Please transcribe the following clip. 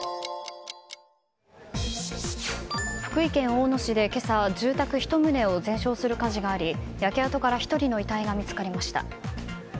福井県大野市で今朝、住宅１棟を全焼する火事があり、焼け跡から１人の遺体が見つかりました。